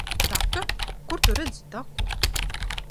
Taka? Kur Tu redzi taku?